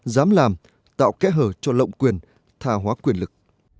dám làm tạo kẽ hở cho lộng quyền thà hóa quyền lực